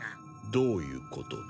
どういうことだ。